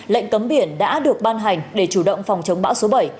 lệnh cấm biển đã được ban hành để chủ động phòng chống bão số bảy